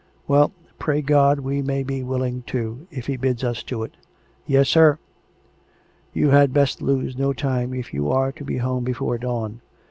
" Well, pray God we may be willing, too, if He bids us to it." " Yes, sir." ..." You had best lose no time if you are to be home before dawn.